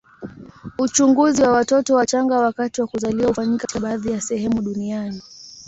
Uchunguzi wa watoto wachanga wakati wa kuzaliwa hufanyika katika baadhi ya sehemu duniani.